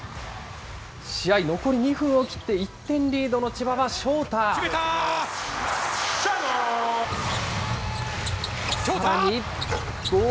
試合、残り２分を切って、１点リードの千葉はショーター。